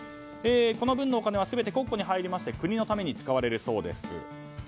この分のお金は全て国庫に入りまして国のために使われるそうです。